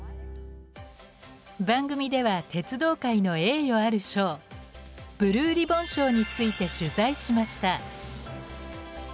番組では鉄道界の栄誉ある賞ブルーリボン賞について取材しました。